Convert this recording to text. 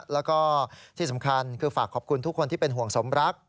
แล้วก็ที่สำคัญคือฝากขอบคุณทุกคนที่เป็นห่วงสมรัก